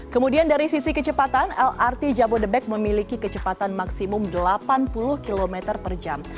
kemudian dari sisi kecepatan lrt jabodebek memiliki kecepatan maksimum delapan puluh km per jam